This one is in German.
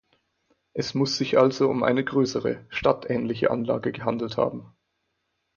Es muss sich also um eine größere, „stadtähnliche“ Anlage gehandelt haben.